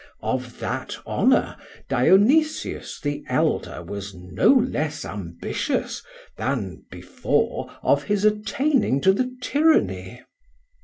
Of that honour Dionysius the elder was no less ambitious, then before of his attaining to the Tyranny.